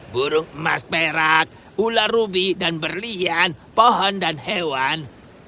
burung emas perak ular rubi dan berlian pohon dan hewan